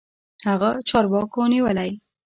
هغه چارواکو نيولى.